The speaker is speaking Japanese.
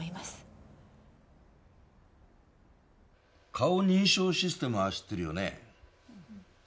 顔認証システムは知ってるよね？